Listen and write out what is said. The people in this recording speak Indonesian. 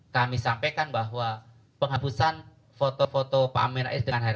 kami sampaikan bahwa penghapusan foto foto pak amin rais dengan hari ini